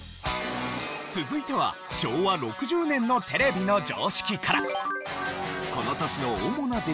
続いては昭和６０年のテレビの常識から。